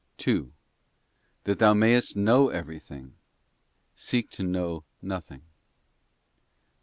2. That thou mayest know everything, seek to know nothing.